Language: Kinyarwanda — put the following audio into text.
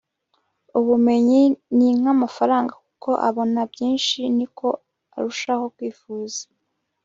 ubumenyi ni nk'amafaranga uko abona byinshi, niko arushaho kwifuza